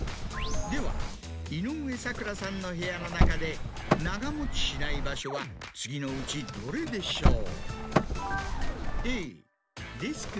では井上咲楽さんの部屋の中で長持ちしない場所は次のうちどれでしょう？